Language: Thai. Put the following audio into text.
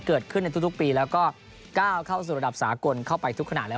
เกิดขึ้นในทุกปีแล้วก็ก้าวเข้าสู่ระดับสากลเข้าไปทุกขนาดแล้ว